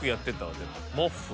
モッフル？